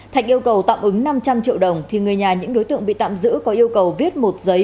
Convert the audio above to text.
thạch yêu cầu tạm ứng năm trăm linh triệu đồng thì người nhà những đối tượng bị tạm giữ có yêu cầu viết một giấy